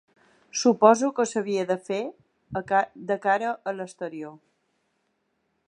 Suposo que s’havia de fer de cara a l’exterior.